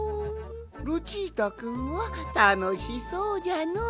ルチータくんはたのしそうじゃのう。